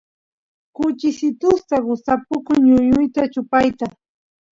kuchisitusta gustapukun ñuñuta chupayta